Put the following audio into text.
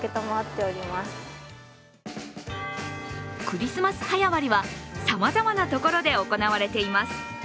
クリスマス早割はさまざまなところで行われています。